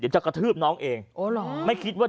ชาวบ้านญาติโปรดแค้นไปดูภาพบรรยากาศขณะ